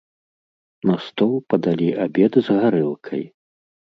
На стол падалі абед з гарэлкай.